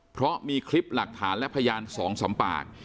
เพราะมีคลิปหลักฐานและพยาน๒๓ปาก